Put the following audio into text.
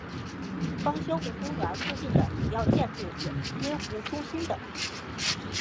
方兴湖公园附近的主要建筑有滨湖中心等。